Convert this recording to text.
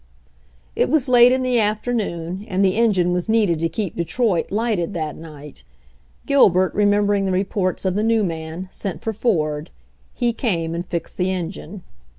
It was late in the afternoon, and the engine was needed to keep Detroit lighted that night. Gilbert, remem bering the reports of the new man, sent for Ford. He came and fixed the engine.